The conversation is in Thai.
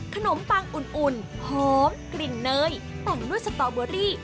ปังอุ่นหอมกลิ่นเนยแต่งด้วยสตอเบอรี่